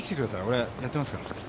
俺やってますから。